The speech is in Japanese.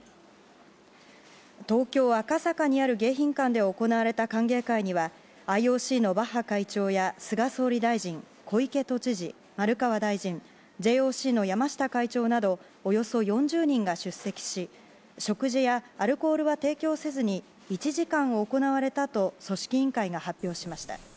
東京・赤坂にある迎賓館で行われた歓迎会にはＩＯＣのバッハ会長や菅総理大臣、小池都知事丸川大臣、ＪＯＣの山下会長などおよそ４０人が出席し食事やアルコールは提供せずに１時間行われたと組織委員会が発表しました。